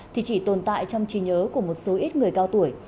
thì chỉ tồn tại trong trí nhớ của một số ít người cao tuổi